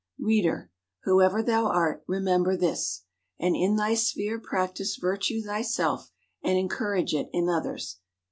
_ _Reader! whoever thou art, remember this; and in thy sphere practice virtue thyself, and encourage it in others.